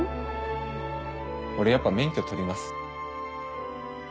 俺やっぱ免許取ります。